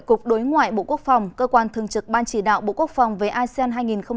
cục đối ngoại bộ quốc phòng cơ quan thường trực ban chỉ đạo bộ quốc phòng về asean hai nghìn hai mươi